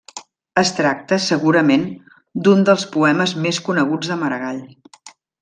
Es tracta, segurament, d'un dels poemes més coneguts de Maragall.